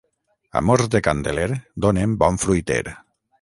Amors de Candeler donen bon fruiter.